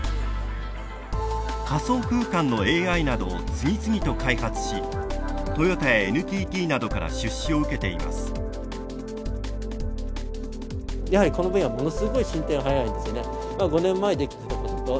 仮想空間のＡＩなどを次々と開発しトヨタやＮＴＴなどから出資を受けています。